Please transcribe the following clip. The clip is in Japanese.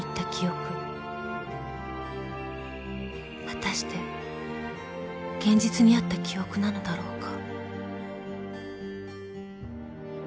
［果たして現実にあった記憶なのだろうか］